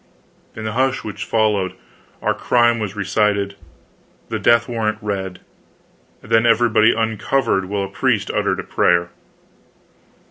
In the hush which followed, our crime was recited, the death warrant read, then everybody uncovered while a priest uttered a prayer.